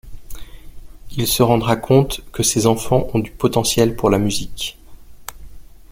Il se rendra compte que ses enfants ont du potentiel pour la musique.